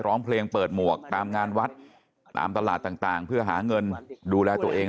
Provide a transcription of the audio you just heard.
ร้องเพลงเปิดหมวกตามงานวัดตามตลาดต่างเพื่อหาเงินดูแลตัวเอง